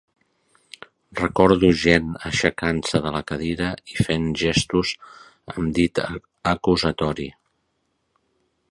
Recordo gent aixecant-se de la cadira i fent gestos amb dit acusatori.